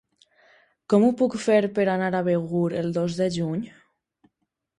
Com ho puc fer per anar a Begur el dos de juny?